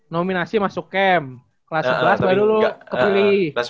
nominasi masuk camp kelas sebelas baru lu kepilih